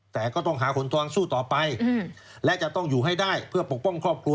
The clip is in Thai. แต่ก็ต้องหาขนทองสู้ต่อไปและจะต้องอยู่ให้ได้เพื่อปกป้องครอบครัว